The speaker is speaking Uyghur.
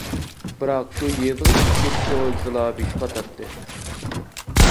بىراق شۇ يېزىغا چېقىپ كېتىشنى ئويلىسىلا بېشى قاتاتتى.